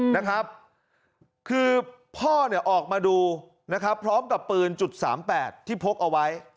นะครับคือพ่อเนี่ยออกมาดูนะครับพร้อมกับปืนจุดสามแปดที่พกเอาไว้